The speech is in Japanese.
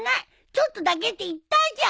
ちょっとだけって言ったじゃん！